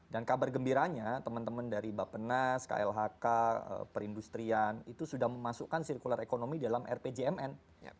dan kabar gembiranya teman teman dari bapenas klhk perindustrian itu sudah memasukkan circular economy dalam keadaan ekonomi